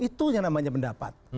itu yang namanya pendapat